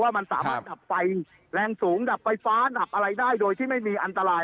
มันสามารถดับไฟแรงสูงดับไฟฟ้าดับอะไรได้โดยที่ไม่มีอันตราย